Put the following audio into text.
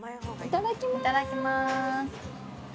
いただきます。